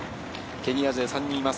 ケニア勢が３人います。